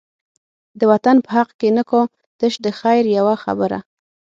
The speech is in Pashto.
د وطن په حق کی نه کا، تش د خیر یوه خبره